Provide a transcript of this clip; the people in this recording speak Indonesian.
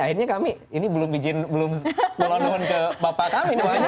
akhirnya kami ini belum izin belum tolong tohon ke bapak kami